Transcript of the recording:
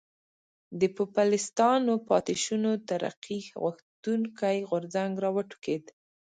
د پوپلستانو پاتې شونو ترقي غوښتونکی غورځنګ را وټوکېد.